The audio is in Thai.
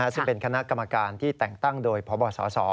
ซึ่งเป็นคณะกรรมการที่แต่งตั้งโดยพบสส